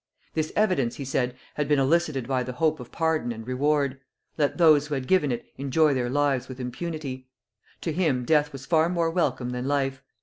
This evidence, he said, had been elicited by the hope of pardon and reward; let those who had given it enjoy their lives with impunity; to him death was far more welcome than life.